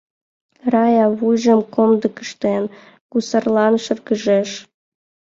Рая, вуйжым комдык ыштен, гусарлан шыргыжеш...